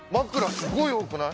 すごい多くない？